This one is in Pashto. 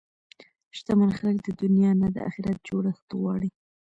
شتمن خلک د دنیا نه د اخرت جوړښت غواړي.